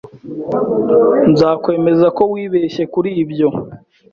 Nzakwemeza ko wibeshye kuri ibyo